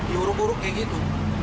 diuruk uruk kayak gitu